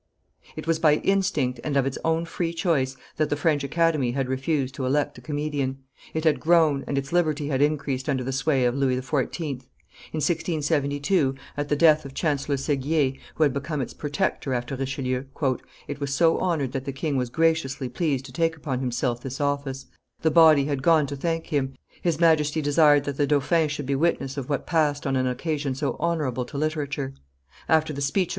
It was by instinct and of its own free choice that the French Academy had refused to elect a comedian: it had grown, and its liberty had increased under the sway of, Louis XIV. In 1672, at the death of Chancellor Seguier, who became its protector after Richelieu, "it was so honored that the king was graciously pleased to take upon himself this office: the body had gone to thank him; his Majesty desired that the dauphin should be witness of what passed on an occasion so honorable to literature; after the speech of M.